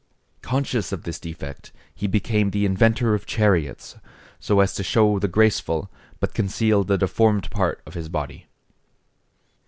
Conscious of this defect, he became the inventor of chariots, so as to show the graceful, but conceal the deformed part of his body.